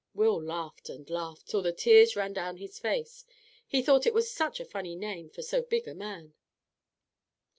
Will laughed and laughed, till the tears ran down his face. He thought it was such a funny name for so big a man.